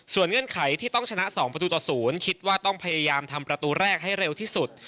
เงื่อนไขที่ต้องชนะ๒ประตูต่อ๐คิดว่าต้องพยายามทำประตูแรกให้เร็วที่สุด